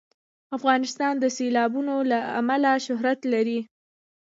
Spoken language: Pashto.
افغانستان د سیلابونه له امله شهرت لري.